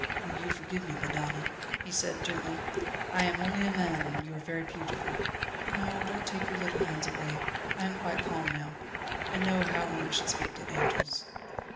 "Will you forgive me, madonna?" he said gently. "I am only a man and you are very beautiful. No don't take your little hands away. I am quite calm now, and know how one should speak to angels."